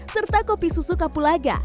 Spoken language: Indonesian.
serta kopi susu kapulaga